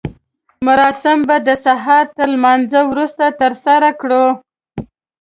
مراسم به د سهار تر لمانځه وروسته ترسره کړو.